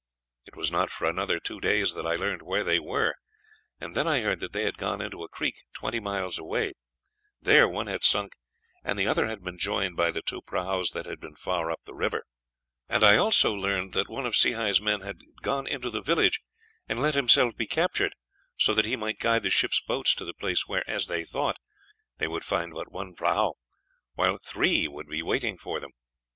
It was not for another two days that I learned where they were, and then I heard that they had gone into a creek twenty miles away; there one had sunk, and the other had been joined by the two prahus that had been far up the river; and I also learned that one of Sehi's men had gone into the village and let himself be captured, so that he might guide the ship's boats to the place where, as they thought, they would find but one prahu, while three would be waiting for them.